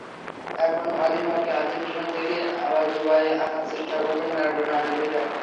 এখন অলিভাকে আর্জেন্টিনা থেকে আবার দুবাইয়ে আনার চেষ্টা করবেন ম্যারাডোনার আইনজীবীরা।